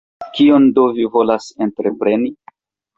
Kion do vi volas entrepreni?